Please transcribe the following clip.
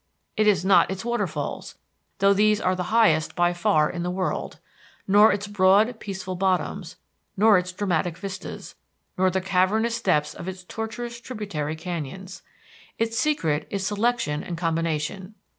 It is not its waterfalls, though these are the highest, by far, in the world, nor its broad, peaceful bottoms, nor its dramatic vistas, nor the cavernous depths of its tortuous tributary canyons. Its secret is selection and combination.